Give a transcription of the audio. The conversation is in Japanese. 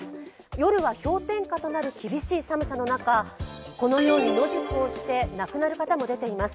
夜は氷点下となる厳しい寒さの中このように野宿をして亡くなる方も出ています。